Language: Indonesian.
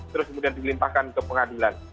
terus kemudian dilimpahkan ke pengadilan